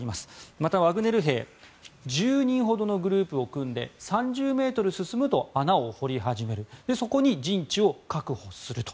また、ワグネル兵１０人ほどのグループを組んで３０ｍ進むと穴を掘り始めるそこに陣地を確保すると。